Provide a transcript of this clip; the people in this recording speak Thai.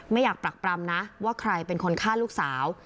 ไม่อยากปรักปรำนะว่าใครเป็นคนฆ่าลูกสาว